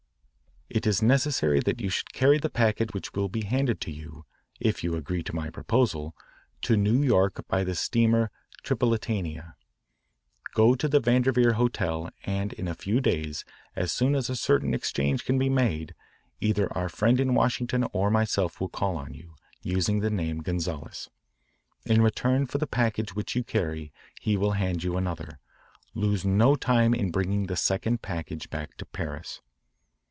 It is necessary that you should carry the packet which will be handed to you (if you agree to my proposal) to New York by the steamer Tripolitania. Go to the Vandeveer Hotel and in a few days, as soon as a certain exchange can be made, either our friend in Washington or myself will call on you, using the name Gonzales. In return for the package which you carry he will hand you another. Lose no time in bringing the second package back to Paris.